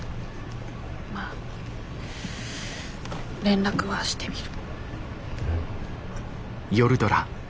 まあ連絡はしてみる。